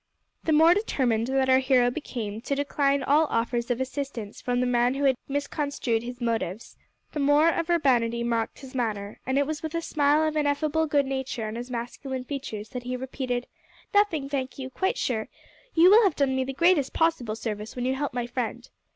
The more determined that our hero became to decline all offers of assistance from the man who had misconstrued his motives, the more of urbanity marked his manner, and it was with a smile of ineffable good nature on his masculine features that he repeated, "Nothing, thank you quite sure. You will have done me the greatest possible service when you help my friend.